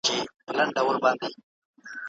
د پرمختګ راز یوازي په استعداد پوري نه سي تړل کېدلای.